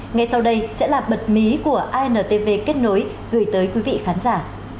ngay sau đây sẽ là bật mí của intv kết nối gửi tới quý vị khán giả